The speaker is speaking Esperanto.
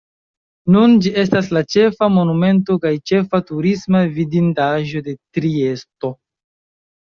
Nun ĝi estas la ĉefa Monumento kaj ĉefa turisma vidindaĵo de Triesto.